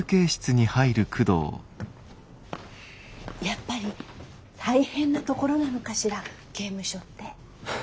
やっぱり大変な所なのかしら刑務所って。